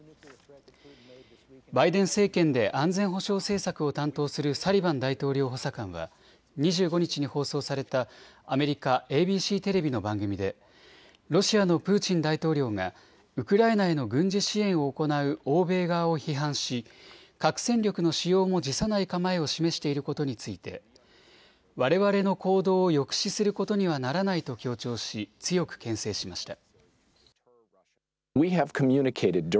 バイデン政権で安全保障政策を担当するサリバン大統領補佐官は２５日に放送されたアメリカ、ＡＢＣテレビの番組でロシアのプーチン大統領がウクライナへの軍事支援を行う欧米側を批判し核戦力の使用も辞さない構えを示していることについて、われわれの行動を抑止することにはならないと強調し強くけん制しました。